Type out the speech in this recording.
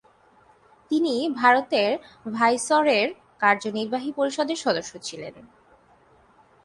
তিনি ভারতের ভাইসরয়ের কার্যনির্বাহী পরিষদের সদস্য ছিলেন।